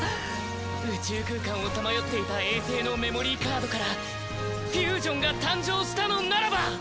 宇宙空間をさまよっていた衛星のメモリーカードからフュージョンが誕生したのならば。